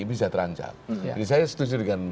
bisa terancam jadi saya setuju dengan